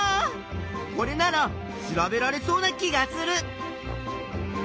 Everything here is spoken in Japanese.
これなら調べられそうな気がする！